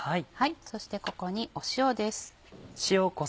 そしてここに塩です。